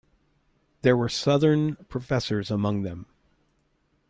There were Southern professors among them.